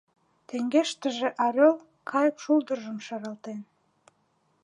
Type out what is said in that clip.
Теҥгештыже орёл кайык шулдыржым шаралтен.